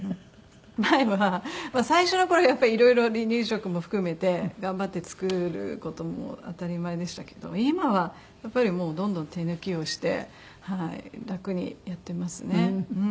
前は最初の頃はやっぱりいろいろ離乳食も含めて頑張って作る事も当たり前でしたけど今はやっぱりもうどんどん手抜きをして楽にやってますね。